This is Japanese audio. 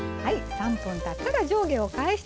３分たったら上下を返して下さい。